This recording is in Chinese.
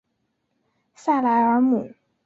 萨莱尔姆。